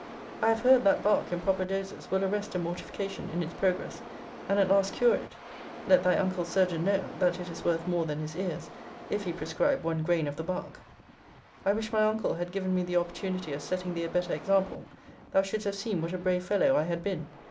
I have heard that bark, in proper doses, will arrest a mortification in its progress, and at last cure it. Let thy uncle's surgeon know, that it is worth more than his ears, if he prescribe one grain of the bark. I wish my uncle had given me the opportunity of setting thee a better example: thou shouldst have seen what a brave fellow I had been.